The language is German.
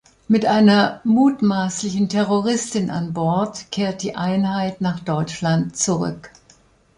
Mit einer mutmaßlichen Terroristin an Bord kehrt die Einheit nach Deutschland zurück.